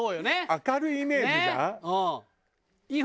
明るいイメージじゃん。